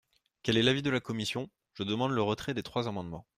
Quel est l’avis de la commission ? Je demande le retrait des trois amendements.